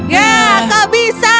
gak kau bisa